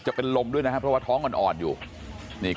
แล้วป้าไปติดหัวมันเมื่อกี้แล้วป้าไปติดหัวมันเมื่อกี้